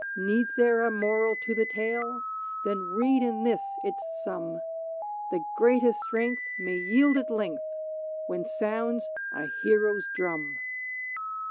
Needs there a moral to the tale ? Then read in this its sum : The greatest strength may yield at length, When sounds a hero's drum